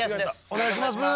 お願いします。